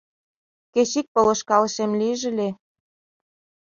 Кеч ик полышкалышем лийже ыле.